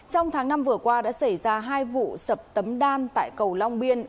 trong tháng năm vừa qua đã xảy ra hai vụ sập tấm đan tại cầu long biên